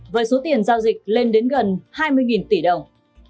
với số tiền giao dịch lên đến gần hai mươi tỷ đồng